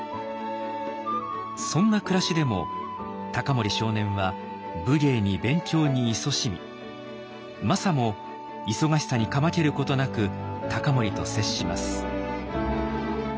そんな暮らしでも隆盛少年は武芸に勉強にいそしみマサも忙しさにかまけることなく隆盛と接します。